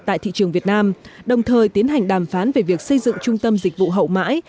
tại thị trường việt nam đồng thời tiến hành đàm phán về việc xây dựng trung tâm dịch vụ hậu mãi